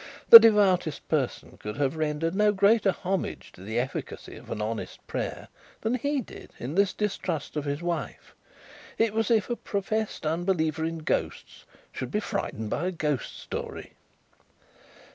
The devoutest person could have rendered no greater homage to the efficacy of an honest prayer than he did in this distrust of his wife. It was as if a professed unbeliever in ghosts should be frightened by a ghost story.